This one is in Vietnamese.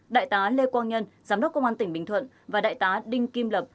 đại tá lê quang nhân giám đốc công an tỉnh bình thuận và đại tá đinh kim lập